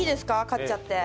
買っちゃって。